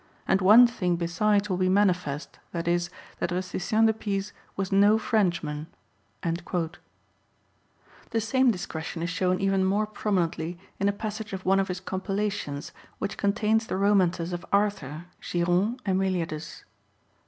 And one thing besides will be manifest, viz., that Rusticien de Pise was no Frenchman !"* The same discretion is shown even more prominently in a passage of one of his compilations, which contains the romances of Arthur, Gyron, and Meliadus (No.